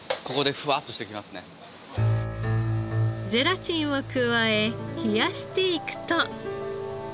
ゼラチンを加え冷やしていくと。